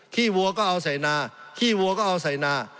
ขี้วัวก็เอาใส่นา